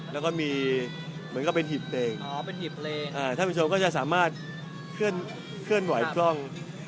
แล้วก็มีเหมือนกับเป็นหีบเพลงอ๋อเป็นหีบเพลงท่านผู้ชมก็จะสามารถเคลื่อนไหวกล้อง